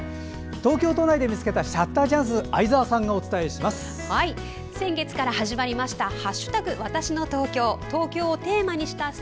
東京都内で見つけたシャッターチャンス相沢さんがお伝えします。